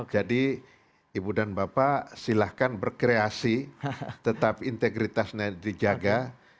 jadi ibu dan bapak silahkan berkreasi tetap integritasnya dijaga